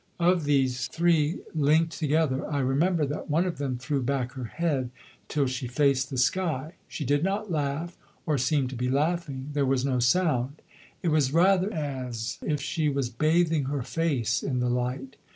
Of these three linked together I remember that one of them threw back her head till she faced the sky. She did not laugh, or seem to be laughing: there was no sound. It was rather as if she was bathing her face in the light.